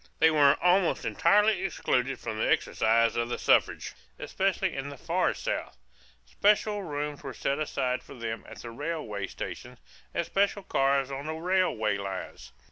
They were almost entirely excluded from the exercise of the suffrage, especially in the Far South. Special rooms were set aside for them at the railway stations and special cars on the railway lines.